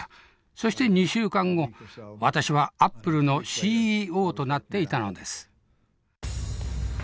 そして２週間後私はアップルのＣＥＯとなっていたのです。